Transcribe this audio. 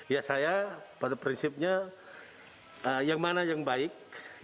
ya saya pada prinsipnya yang mana yang baik